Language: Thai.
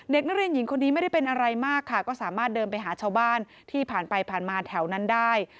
เด็กนักเรียนหญิงคนนี้ไม่ได้เป็นอะไรมากค่ะก็สามารถเดินไปหาชาวบ้านที่ผ่านไปผ่านมาแถวนั้นได้